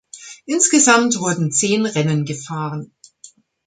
Insgesamt wurden zehn Rennen gefahren.